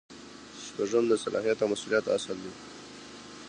شپږم د صلاحیت او مسؤلیت اصل دی.